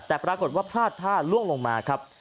แต่ปรากฏว่าพลาดท่าล่วงลงมาครับ